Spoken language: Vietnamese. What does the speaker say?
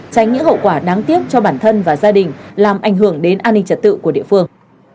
tránh những hậu quả đáng tiếc cho bản thân và gia đình làm ảnh hưởng đến an ninh trật tự của địa phương